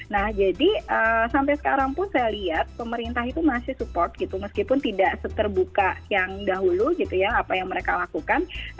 nah jadi sampai sekarang pun saya lihat pemerintah itu masih support gitu meskipun tidak seterbuka yang dahulu gitu ya apa yang mereka lakukan